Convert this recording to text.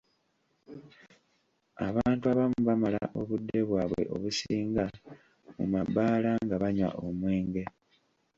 Abantu abamu bamala obudde bwabwe obusinga mu mabbaala nga banywa omwenge